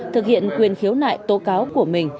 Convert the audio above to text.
thực hiện quyền khiếu nại tố cáo của mình